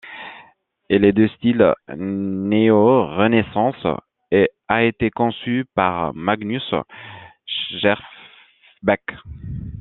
Il est de Style néorenaissance et a été conçu par Magnus Schjerfbeck.